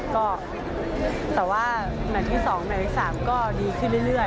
แต่ว่าหนัวในที่๒นะครับก็ดีขึ้นเรื่อย